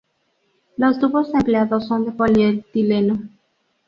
Los tubos empleados son de polietileno.